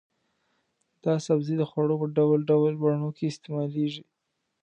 دا سبزی د خوړو په ډول ډول بڼو کې استعمالېږي.